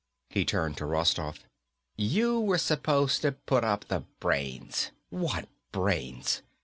He turned to Rostoff. "You were supposed to put up the brains. What brains?